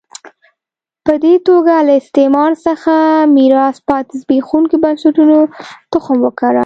په دې توګه له استعمار څخه میراث پاتې زبېښونکو بنسټونو تخم وکره.